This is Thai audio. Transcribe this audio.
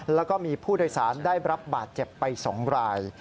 แล้วก็มีผู้โดยสารได้รับบาดเจ็บไป๒ราย